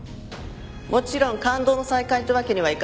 もちろん感動の再会ってわけにはいかないわ。